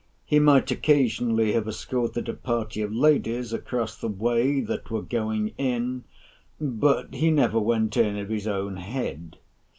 He might occasionally have escorted a party of ladies across the way that were going in; but he never went in of his own head.